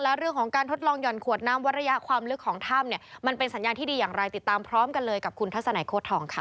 และเรื่องของการทดลองห่อนขวดน้ำวัดระยะความลึกของถ้ำเนี่ยมันเป็นสัญญาณที่ดีอย่างไรติดตามพร้อมกันเลยกับคุณทัศนัยโค้ทองค่ะ